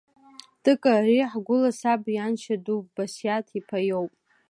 Тыка, ари ҳгәыла, саб ианшьа ду Басиаҭ иԥа иоуп.